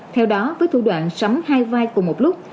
theo đó với thủ đoạn sấm hai vai cùng một lúc